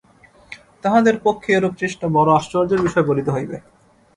তাঁহাদের পক্ষে এরূপ চেষ্টা বড় আশ্চর্যের বিষয় বলিতে হইবে।